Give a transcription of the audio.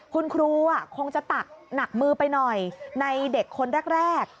คุณครูคงจะตักหนักมือไปหน่อยในเด็กคนแรก